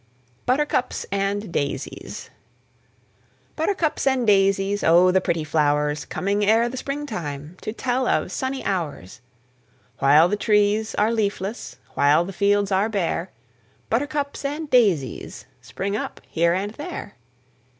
BUTTERCUPS AND DAISIES. Buttercups and daisies, Oh, the pretty flowers, Coming ere the spring time, To tell of sunny hours. While the tree are leafless, While the fields are bare, Buttercups and daisies Spring up here and there.